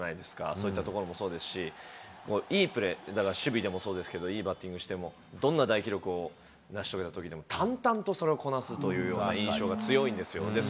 そういったところもそうですし、いいプレー、守備でもそうですけど、いいバッティングしても、どんな大記録を成し遂げたときでも、淡々とそれをこなすという印象が強いんですよ。